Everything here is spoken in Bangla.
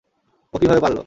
ও কীভাবে পারল?